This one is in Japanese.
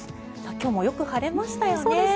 今日もよく晴れましたよね。